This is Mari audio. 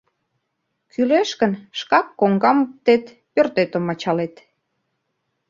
Кӱлеш гын, шкак коҥгам оптет, пӧртетым ачалет.